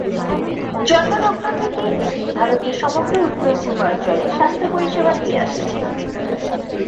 জন্মলগ্ন থেকে এটি ভারতের সমগ্র উত্তর-পূর্বাঞ্চলে স্বাস্থ্য পরিষেবা দিয়ে আসছে।